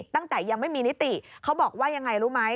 ตั้งแต่ยังไม่มีนิติเขาบอกว่ายังไงรู้ไหม